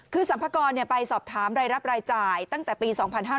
คือสรรพากรไปสอบถามรายรับรายจ่ายตั้งแต่ปี๒๕๕๙